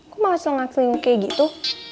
kok males lengak selinguk kayak gitu